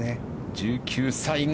１９歳が。